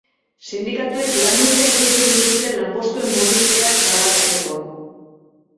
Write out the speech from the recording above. Sindikatuek lanuzteak deitu dituzte lanpostuen murrizketak salatzeko.